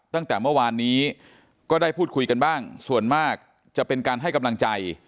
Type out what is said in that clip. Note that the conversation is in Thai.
ตั้งแต่เมื่อวานนี้ก็ได้พูดคุยกันบ้างส่วนมากจะเป็นการให้กำลังใจ